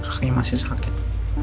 kakinya masih sakit